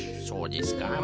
そうですか？